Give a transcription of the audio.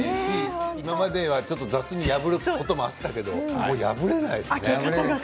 今までは、ちょっと雑に破ることあったけどもう破れないですね。